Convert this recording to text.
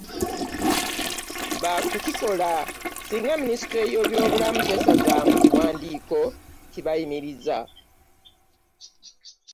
Ba kukikola singa Minisitule y'ebyobulamu tesazaamu kiwandiiko kibayimiriza